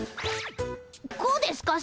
こうですか？